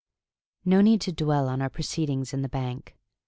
No need to dwell on our proceedings in the bank.